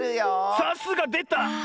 さすがでた！